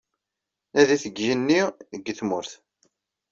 Nadit deg yigenni, deg tmurt.